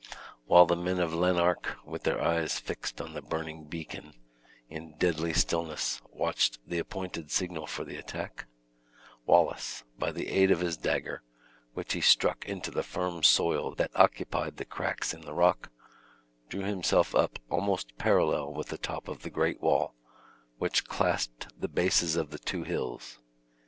While the men of Lanark, with their eyes fixed on the burning beacon, in deadly stillness watched the appointed signal for the attack, Wallace, by the aid of his dagger, which he struck into the firm soil that occupied the cracks in the rock, drew himself up almost parallel with the top of the great wall, which clasped the bases of the two hills.